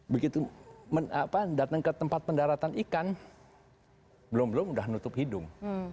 begitu datang ke tempat pendaratan ikan belum belum sudah nutup hidung